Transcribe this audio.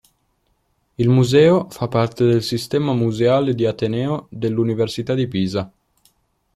Il museo fa parte del Sistema museale di Ateneo dell'Università di Pisa.